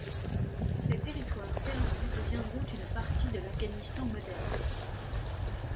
Ces territoires perdus deviendront une partie de l'Afghanistan moderne.